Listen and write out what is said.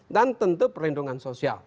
dan tentu perlindungan sosial